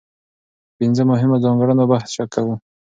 په پنځه مهمو ځانګړنو بحث کوو.